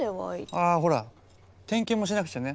あほら点検もしなくちゃね。